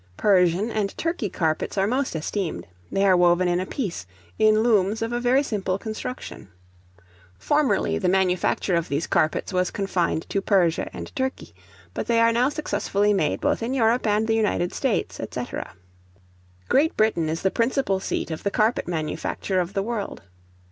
Persian and Turkey carpets are most esteemed; they are woven in a piece, in looms of a very simple construction. Formerly the manufacture of these carpets was confined to Persia and Turkey; but they are now successfully made, both in Europe and the United States, &c. Great Britain is the principal seat of the carpet manufacture of the world.